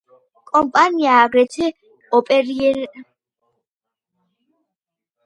კომპანია აგრეთვე ოპერირებს ყაზახეთში, უკრაინაში და ბელარუსში.